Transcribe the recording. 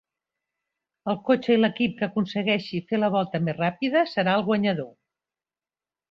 El cotxe i l'equip que aconsegueixi fer la volta més ràpida serà el guanyador.